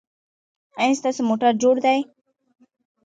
ایا ستاسو موټر جوړ دی؟